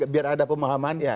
biar ada pemahaman